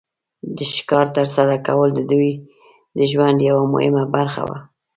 د ښکار تر سره کول د دوی د ژوند یو مهمه برخه وه.